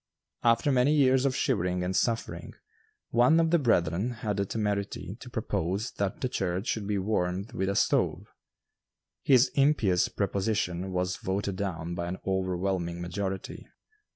After many years of shivering and suffering, one of the brethren had the temerity to propose that the church should be warmed with a stove. His impious proposition was voted down by an overwhelming majority.